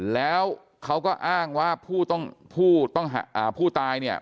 แล้วเขาก็อ้างว่าผู้ต้องหาผู้ตายเนี่ย